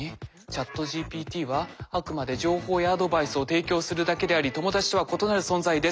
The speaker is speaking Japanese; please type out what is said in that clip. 「ＣｈａｔＧＰＴはあくまで情報やアドバイスを提供するだけであり友達とは異なる存在です。